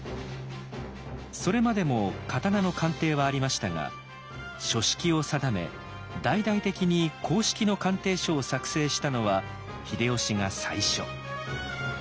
それまでも刀の鑑定はありましたが書式を定め大々的に公式の鑑定書を作成したのは秀吉が最初。